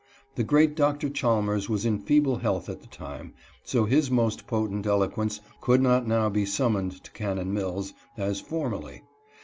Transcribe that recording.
The great Dr. Chalmers was in feeble health at the time, so his most potent eloquence could not now be summoned to Cannon Mills, as formerly.